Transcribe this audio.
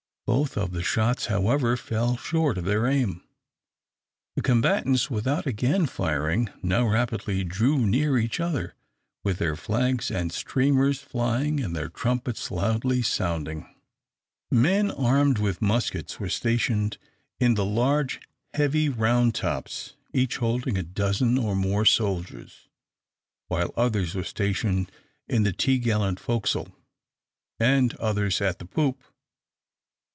Both of the shots, however, fell short of their aim. The combatants, without again firing, now rapidly drew near each other, with their flags and streamers flying and their trumpets loudly sounding. Men armed with muskets were stationed in the large heavy round tops, each holding a dozen or more soldiers, while others were stationed in the topgallant forecastle, and others at the poop.